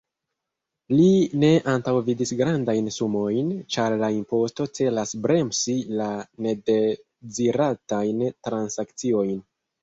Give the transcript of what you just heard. Li ne antaŭvidis grandajn sumojn, ĉar la imposto celas bremsi la nedeziratajn transakciojn.